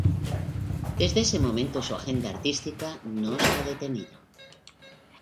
Desde ese momento su agenda artística no se ha detenido.